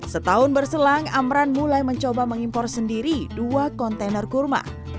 setahun berselang amran mulai mencoba mengimpor sendiri dua kontainer kurma